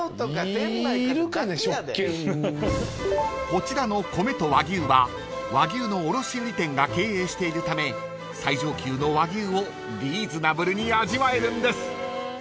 ［こちらの米と和牛は和牛の卸売店が経営しているため最上級の和牛をリーズナブルに味わえるんです］